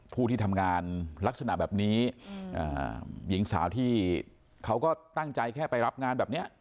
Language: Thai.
ผู้ที่ทำงานลักษณะแบบนี้หญิงสาวที่เขาก็ตั้งใจแค่ไปรับงานแบบนี้